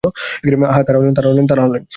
তারা হলেন-